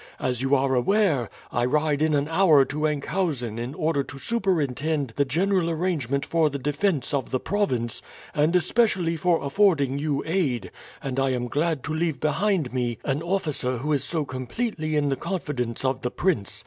As you are aware, I ride in an hour to Enkhuizen in order to superintend the general arrangement for the defence of the province, and especially for affording you aid, and I am glad to leave behind me an officer who is so completely in the confidence of the prince.